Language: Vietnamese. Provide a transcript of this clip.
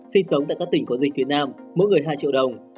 sinh sống tại các tỉnh có dịch việt nam mỗi người hai triệu đồng